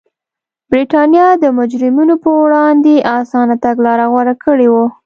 برېټانیا د مجرمینو پر وړاندې اسانه تګلاره غوره کړې وه.